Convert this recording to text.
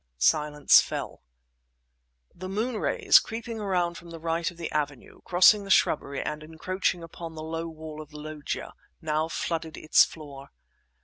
Silence fell. The moon rays, creeping around from the right of the avenue, crossing the shrubbery and encroaching upon the low wall of the loggia, now flooded its floor.